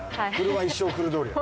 車一生来る通り。